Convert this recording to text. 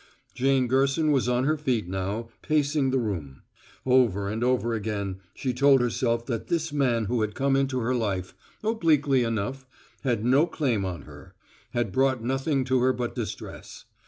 Jane Gerson was on her feet now, pacing the room. Over and over again she told herself that this man who had come into her life, obliquely enough, had no claim on her; had brought nothing to her but distress.